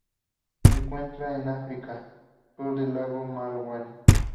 Se encuentran en África: sur del lago Malawi.